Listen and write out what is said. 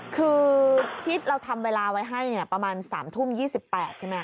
คือคิดเราทำเวลาไว้ให้ประมาณ๓ทุ่ม๒๘ใช่ไหม